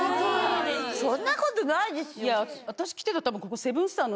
そんなことないですよ。